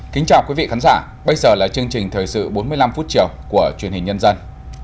kính chào quý vị khán giả bây giờ là chương trình thời sự bốn mươi năm phút chiều của truyền hình nhân dân